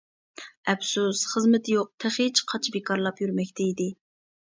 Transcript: ئەپسۇس، خىزمىتى يوق تېخىچە قاچا بىكارلاپ يۈرمەكتە ئىدى.